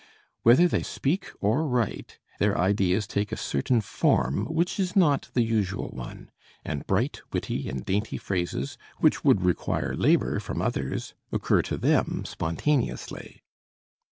Whether they speak or write, their ideas take a certain form which is not the usual one; and bright, witty, and dainty phrases, which would require labor from others, occur to them spontaneously.